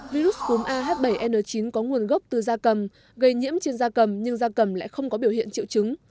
virus cúm ah bảy n chín có nguồn gốc từ da cầm gây nhiễm trên da cầm nhưng da cầm lại không có biểu hiện triệu chứng